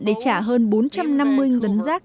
để trả hơn bốn trăm năm mươi tấn rác